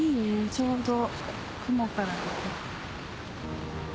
ちょうど雲から。